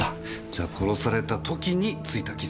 じゃ殺された時についた傷？